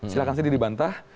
silahkan saja dibantah